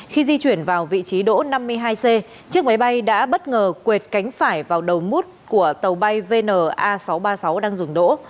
khi di chuyển vào vị trí đỗ năm mươi hai c chiếc máy bay đã bất ngờ quệt cánh phải vào đầu mút của tàu bay vna sáu trăm ba mươi sáu đang dừng đỗ